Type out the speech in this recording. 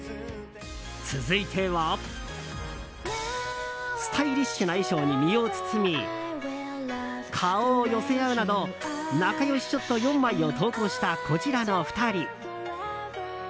続いてはスタイリッシュな衣装に身を包み顔を寄せ合うなど仲良しショット４枚を投稿した、こちらの２人。